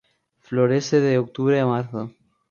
Florece de octubre a marzo.